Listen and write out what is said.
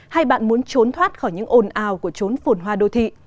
hay bạn muốn trốn thoát khỏi những ồn ào của trốn phồn hoa đô thị